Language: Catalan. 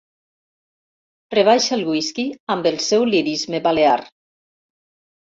Rebaixa el whisky amb el seu lirisme balear.